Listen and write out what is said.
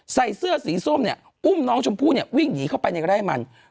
ใส่เสื้อสีส้มเนี่ยอุ้มน้องชมพู่เนี่ยวิ่งหนีเข้าไปในไร่มัน